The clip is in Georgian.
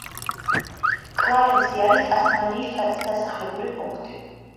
კლარენსი არის ტასმანიის შტატის დასახლებული პუნქტი.